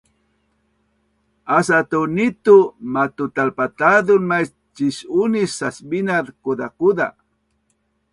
Asa tu nitu matutalpatazun mais cis-unis Sasbinaz Kuzakuza